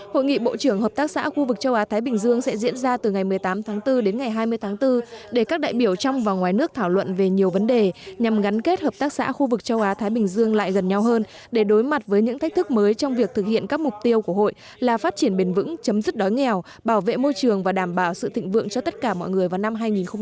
hội nghị bộ trưởng hợp tác xã khu vực châu á thái bình dương sẽ diễn ra từ ngày một mươi tám tháng bốn đến ngày hai mươi tháng bốn để các đại biểu trong và ngoài nước thảo luận về nhiều vấn đề nhằm gắn kết hợp tác xã khu vực châu á thái bình dương lại gần nhau hơn để đối mặt với những thách thức mới trong việc thực hiện các mục tiêu của hội là phát triển bền vững chấm dứt đói nghèo bảo vệ môi trường và đảm bảo sự thịnh vượng cho tất cả mọi người vào năm hai nghìn ba mươi